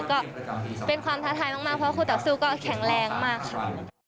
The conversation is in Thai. ก็เป็นความท้าทายมากเพราะคู่ต่อสู้ก็แข็งแรงมากค่ะ